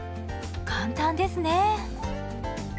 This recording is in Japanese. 簡単ですね。